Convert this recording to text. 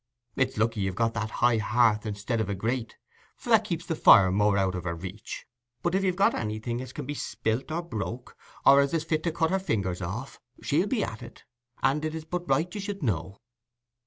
It's lucky as you've got that high hearth i'stead of a grate, for that keeps the fire more out of her reach: but if you've got anything as can be spilt or broke, or as is fit to cut her fingers off, she'll be at it—and it is but right you should know."